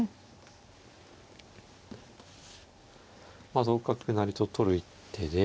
まあ同角成と取る一手で。